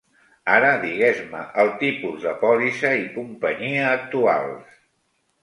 Ara digues-me el tipus de pòlissa i companyia actuals.